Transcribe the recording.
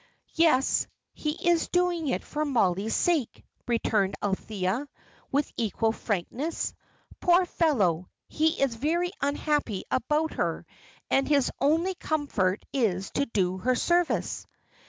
"Yes, he is doing it for Mollie's sake," returned Althea, with equal frankness. "Poor fellow! he is very unhappy about her, and his only comfort is to do her service."